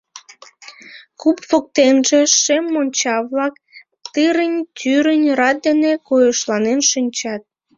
Куп воктенже шем монча-влак тырынь-тӱрынь рат дене койышланен шинчат.